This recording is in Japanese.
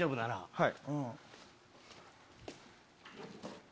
はい。